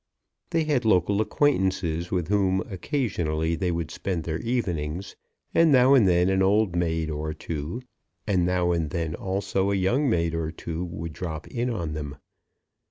They had local acquaintances, with whom occasionally they would spend their evenings; and now and then an old maid or two, now and then also a young maid or two would drop in on them.